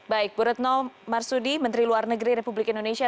baik bu retno marsudi menteri luar negeri republik indonesia